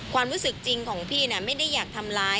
ความรู้สึกจริงของพี่น่ะไม่ได้อยากทำร้าย